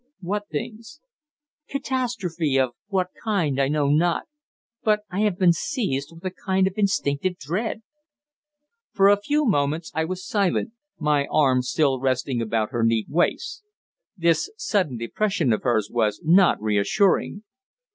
"What things?" "Catastrophe of what kind, I know not. But I have been seized with a kind of instinctive dread." For a few moments I was silent, my arm still about her neat waist. This sudden depression of hers was not reassuring.